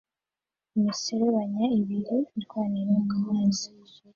Imiserebanya ibiri irwanira mumazi